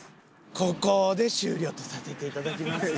ここで終了とさせていただきます。